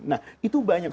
nah itu banyak